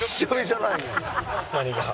何が？